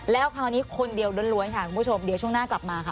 แล้วคราวนี้คนเดียวล้วนค่ะคุณผู้ชมเดี๋ยวช่วงหน้ากลับมาค่ะ